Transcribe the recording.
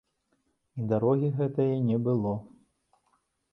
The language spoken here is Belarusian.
І дарогі гэтае не было.